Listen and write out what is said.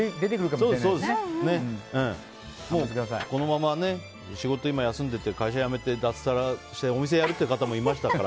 もうこのまま仕事休んでて会社辞めて脱サラしてお店をやる方もいましたから。